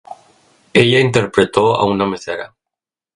Ella interpretó a una mesera.